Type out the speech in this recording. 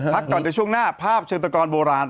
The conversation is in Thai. พักก่อนเดี๋ยวช่วงหน้าภาพเชิงตะกรโบราณ